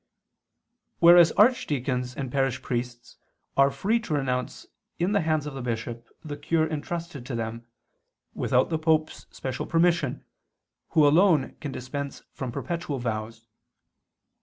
whereas archdeacons and parish priests are free to renounce in the hands of the bishop the cure entrusted to them, without the Pope's special permission, who alone can dispense from perpetual vows.